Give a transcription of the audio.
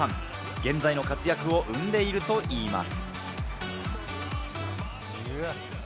現在の活躍を生んでいるといいます。